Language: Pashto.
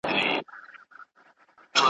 د ژوندون سفر لنډی دی مهارت غواړي عمرونه `